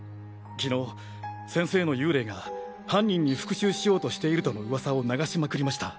きのう先生の幽霊が犯人に復讐しようとしているとの噂を流しまくりました。